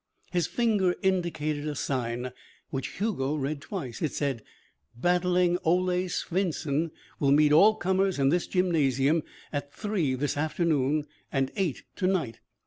His finger indicated a sign, which Hugo read twice. It said: "Battling Ole Swenson will meet all comers in this gymnasium at three this afternoon and eight to night.